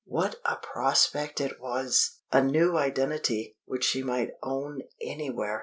What a prospect it was! A new identity, which she might own anywhere!